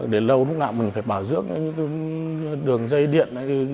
đến lâu lúc nào mình phải bảo dưỡng những đường dây điện